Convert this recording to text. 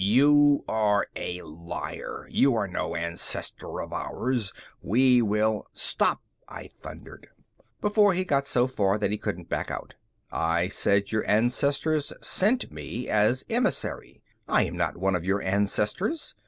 "You are a liar! You are no ancestor of ours! We will " "Stop!" I thundered before he got so far in that he couldn't back out. "I said your ancestors sent me as emissary I am not one of your ancestors.